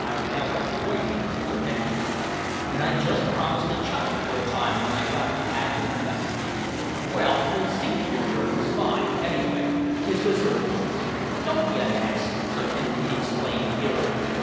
"I went out after whiting," Sir Henry groaned, "and I'd just promised to chuck it for a time when I got the Admiral's message." "Well, we'll see to your German spy, anyway," his visitor promised. "Don't be an ass!" Sir Henry exclaimed irritably.